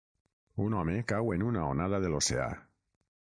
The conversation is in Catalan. Un home cau en una onada de l'oceà